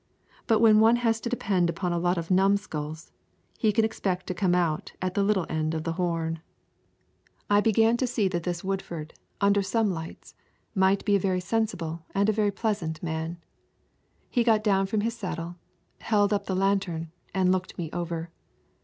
But when one has to depend upon a lot of numbskulls, he can expect to come out at the little end of the horn." I began to see that this Woodford, under some lights, might be a very sensible and a very pleasant man. He got down from his saddle, held up the lantern and looked me over.